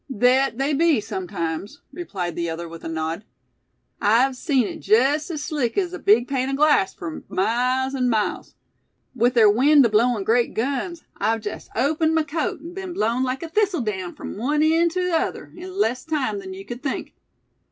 "Thet they be, sumtimes," replied the other, with a nod. "I've seen hit jest as slick as a big pane o' glass fur miles an' miles. With ther wind ablowin' great guns I've jest opened my coat, an' been blown like a thistle down from one end tew t'other, in less time than yew cud think.